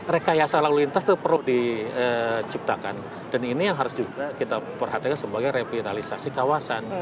rekayasa lalu lintas itu perlu diciptakan dan ini yang harus juga kita perhatikan sebagai revitalisasi kawasan